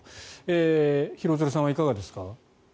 廣津留さんはいかがですか？